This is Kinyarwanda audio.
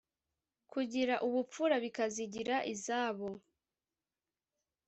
kugira ubupfura bakazigira izabo